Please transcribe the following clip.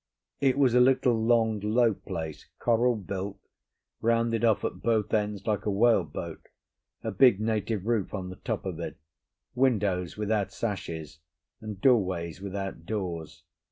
It was a little long low place, coral built, rounded off at both ends like a whale boat, a big native roof on the top of it, windows without sashes and doorways without doors.